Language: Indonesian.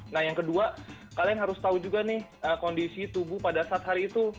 nah yang kedua kalian harus tahu juga nih kondisi tubuh pada saat hari itu